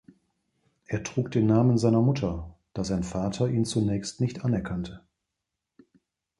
Er trug den Namen seiner Mutter, da sein Vater ihn zunächst nicht anerkannte.